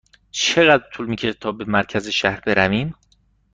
چقدر طول می کشد تا به مرکز شهر برویم؟